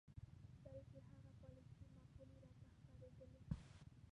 بلکې هغه پالیسۍ معقولې راته ښکارېدلې.